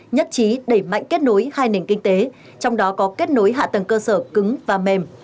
nhất trí đẩy mạnh kết nối hai nền kinh tế trong đó có kết nối hạ tầng cơ sở cứng và mềm